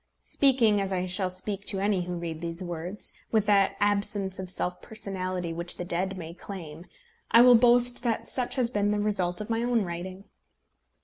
Speaking, as I shall speak to any who may read these words, with that absence of self personality which the dead may claim, I will boast that such has been the result of my own writing.